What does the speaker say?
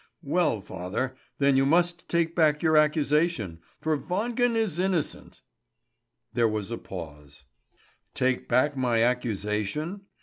"Well, father, then you must take back your accusation, for Wangen is innocent!" There was a pause. "Take back my accusation?"